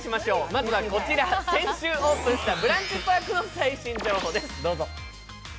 まずはこちら、先週オープンしたブランチパークの最新情報です。